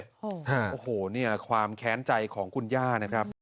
โอ้โหเนี่ยความแค้นใจของคุณย่านะครับ